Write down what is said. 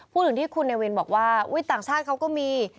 พูดถึงที่คุณเนวินบอกว่าอุ๊ยต่างชาติเขาก็มี